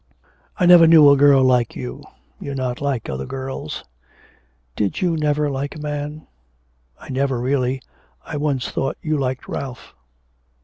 'I never knew a girl like you; you're not like other girls. Did you never like a man? I never really. I once thought you liked Ralph.'